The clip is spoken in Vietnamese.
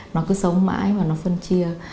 nó cứ sống mãi và nó phân chia